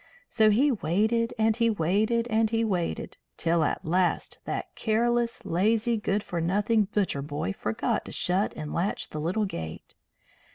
So he waited and he waited and he waited, till at last that careless, lazy, good for nothing butcher boy forgot to shut and latch the little gate.